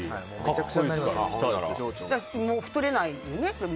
太れないよね。